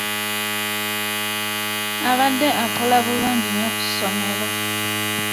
Abadde akola bulungi nnyo ku ssomero.